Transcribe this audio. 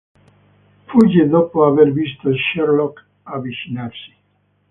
Fugge dopo aver visto Sherlock avvicinarsi.